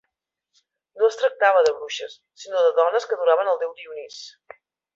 No es tractava de bruixes sinó de dones que adoraven el déu Dionís.